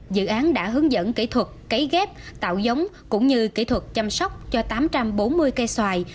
dự án đã hướng dẫn kỹ thuật cấy ghép tạo giống cũng như kỹ thuật chăm sóc cho tám trăm bốn mươi cây xoài